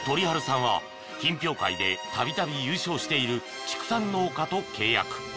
春さんは品評会でたびたび優勝している畜産農家と契約］